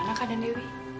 gimana keadaan dewi